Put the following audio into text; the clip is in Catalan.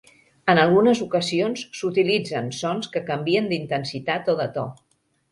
En algunes ocasions s'utilitzen sons que canvien d'intensitat o de to.